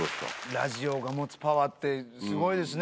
ラジオが持つパワーってすごいですね！